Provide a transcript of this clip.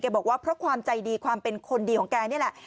บอกว่าเพราะความใจดีความเป็นคนดีของแกนี่แหละ